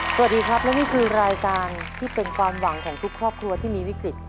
สวัสดีครับและนี่คือรายการที่เป็นความหวังของทุกครอบครัวที่มีวิกฤต